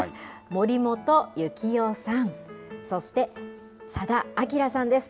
森本行雄さん、そして佐田明さんです。